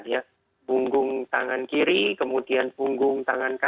kemudian dipersihkan ya bunggung tangan kiri kemudian bunggung tangan kanan